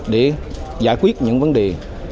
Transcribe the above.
để giải quyết những vấn đề